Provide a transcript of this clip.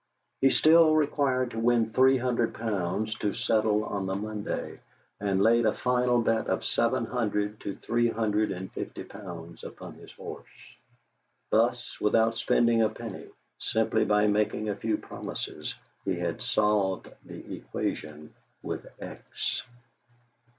He still required to win three hundred pounds to settle on the Monday, and laid a final bet of seven hundred to three hundred and fifty pounds upon his horse. Thus, without spending a penny, simply by making a few promises, he had solved the equation with X.